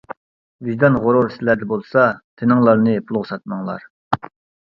ۋىجدان غۇرۇر سىلەردە بولسا، تىنىڭلارنى پۇلغا ساتماڭلار.